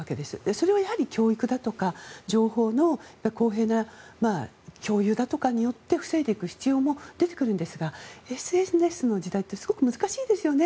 それはやはり教育だとか、情報の公平な共有だとかによって防いでいく必要も出てくるんですがＳＮＳの時代ってすごく難しいんですよね。